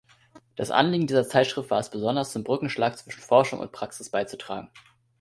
Das Anliegen dieser Zeitschrift war es besonders, zum Brückenschlag zwischen Forschung und Praxis beizutragen.